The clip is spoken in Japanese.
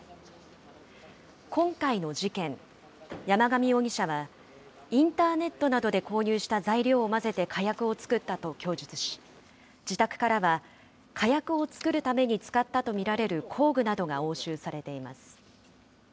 今回の事件、山上容疑者は、インターネットなどで購入した材料を混ぜて火薬を作ったと供述し、自宅からは火薬を作るために使ったと見られる工具などが押収されています。